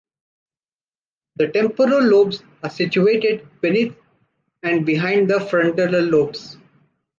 The temporal lobes are situated beneath and behind the frontal lobes.